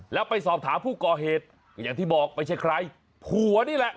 แล้วไปสอบถามผู้ก่อเหตุอย่างที่บอกไม่ใช่ใครผัวนี่แหละ